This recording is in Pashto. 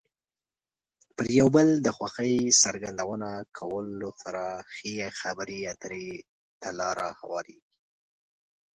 پر یو بل د خوښۍ څرګندونه کولو سره ښې خبرې اترې ته لار هوارېږي.